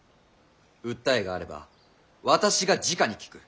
訴えがあれば私がじかに聞く。